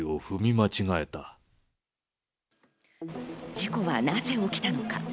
事故はなぜ起きたのか。